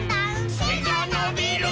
「せがのびるーっ」